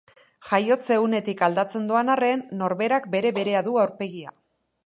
Jaiotze unetik aldatzen doan arren, norberak bere berea du aurpegia.